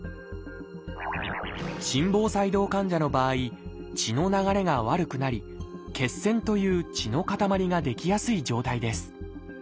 心房細動患者の場合血の流れが悪くなり「血栓」という血の塊が出来やすい状態です。